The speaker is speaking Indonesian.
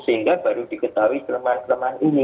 sehingga baru diketahui kelemahan kelemahan ini